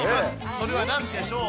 それはなんでしょうか。